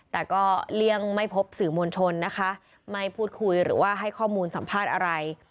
แต่ก็เลี่ยงไม่พบสื่อมวลชนนะคะไม่พูดคุยหรือว่าให้ข้อมูลสัมภาษณ์อะไร